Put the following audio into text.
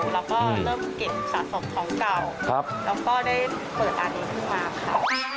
เราก็เริ่มเก็บสะสมของเก่าแล้วก็ได้เปิดร้านนี้ขึ้นมาค่ะ